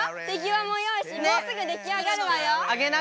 もうすぐできあがるわよ。